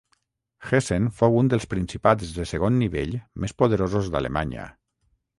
Hessen fou un dels principats de segon nivell més poderosos d'Alemanya.